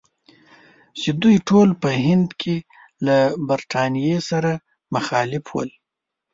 چې دوی ټول په هند کې له برټانیې سره مخالف ول.